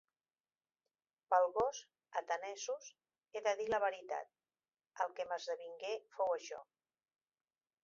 Pel gos, atenesos, he de dir la veritat; el que m'esdevingué fou això: